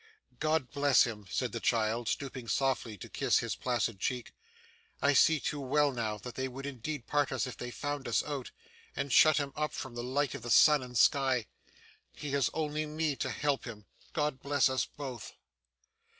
'God bless him!' said the child, stooping softly to kiss his placid cheek. 'I see too well now, that they would indeed part us if they found us out, and shut him up from the light of the sun and sky. He has only me to help him. God bless us both!